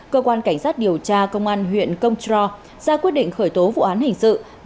cơ quan cảnh sát điều tra công an huyện công trò ra quyết định khởi tố vụ án hình sự